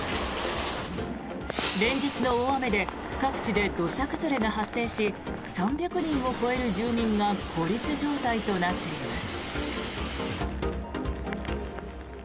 連日の大雨で各地で土砂崩れが発生し３００人を超える住民が孤立状態となっています。